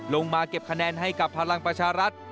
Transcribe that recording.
ลงมาเก็บคะแนนให้กับพลังประชารัฐ